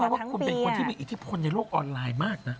คุณรู้ไหมว่าเป็นคนที่มีอิทธิพลในโลกออนไลน์มากนะ